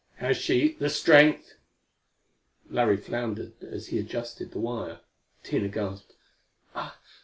Has she the strength?" Larry floundered as he adjusted the wire. Tina gasped.